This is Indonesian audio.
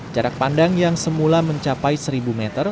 jarak pandang yang semula mencapai seribu meter